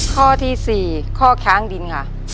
ข้อที่๔ข้อค้างดินค่ะ